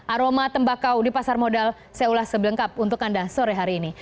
aroma tembakau di pasar modal saya ulas sebelengkap untuk anda sore hari ini